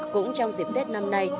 cũng trong dịp tết năm nay